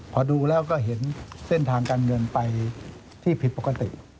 พอดูแล้วก็เห็นเส้นทางการเงินไปที่ผิดปกติ